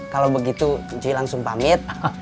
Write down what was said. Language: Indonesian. kalau begitu ji langsung pamit